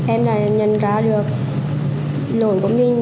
em đã nhận ra được lỗi của mình